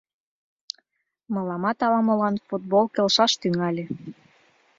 Мыламат ала-молан футбол келшаш тӱҥале.